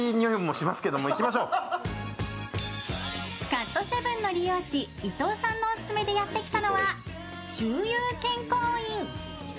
カットセブンの理容師・伊藤さんのオススメでやってきたのは宙遊健康院。